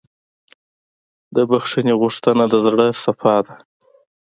د بښنې غوښتنه د زړه صفا ده.